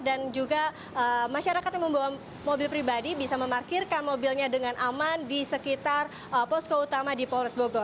dan juga masyarakat yang membawa mobil pribadi bisa memarkirkan mobilnya dengan aman di sekitar posko utama di polres bogor